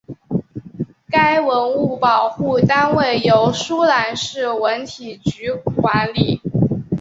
该文物保护单位由舒兰市文体局管理。